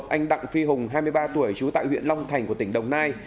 anh đặng phi hùng hai mươi ba tuổi trú tại huyện long thành của tỉnh đồng nai